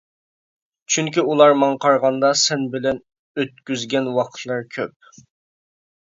چۈنكى ئۇلار ماڭا قارىغاندا سەن بىلەن ئۆتكۈزگەن ۋاقىتلىرى كۆپ.